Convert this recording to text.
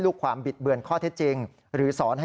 เพราะว่ามีทีมนี้ก็ตีความกันไปเยอะเลยนะครับ